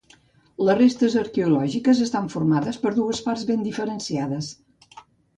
Les restes arqueològiques estan formades per dues parts ben diferenciades.